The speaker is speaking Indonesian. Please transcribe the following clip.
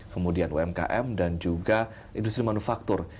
kemudian umkm dan juga industri manufaktur